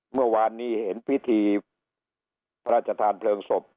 เมื่อวานนี้เห็นพิธีราชธาณภิลงศพ